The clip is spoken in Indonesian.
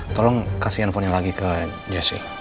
tolong kasih handphonenya lagi ke jersey